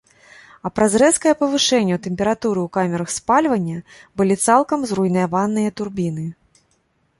А праз рэзкае павышэнне тэмпературы ў камерах спальвання былі цалкам зруйнаваныя турбіны.